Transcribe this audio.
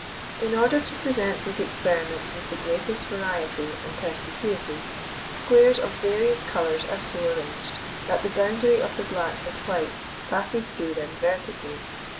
In order to present these experiments with the greatest variety and perspicuity, squares of various colours are so arranged that the boundary of the black and white passes through them vertically.